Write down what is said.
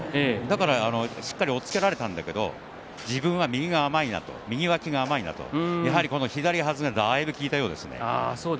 だからしっかりとつけられたんだけど自分は右が甘いな右脇が甘いなと左はずがだいぶ効いたようです。